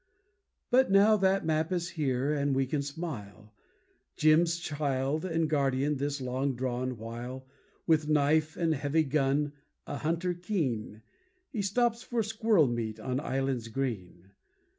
But now that imp is here and we can smile, Jim's child and guardian this long drawn while. With knife and heavy gun, a hunter keen, He stops for squirrel meat in islands green.